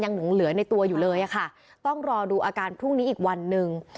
หลงเหลือในตัวอยู่เลยอะค่ะต้องรอดูอาการพรุ่งนี้อีกวันหนึ่ง